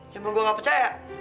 ya mau gua gak percaya